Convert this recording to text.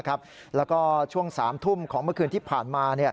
แล้วก็ช่วง๓ทุ่มของเมื่อคืนที่ผ่านมา